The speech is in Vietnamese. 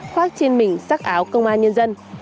khoác trên mình sắc áo công an nhân dân